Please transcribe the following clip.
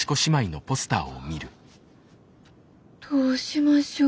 どうしましょう。